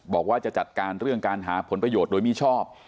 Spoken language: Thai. บอกว่าจะจัดการเรื่องการหาผลประโยชน์โดยมิชอบ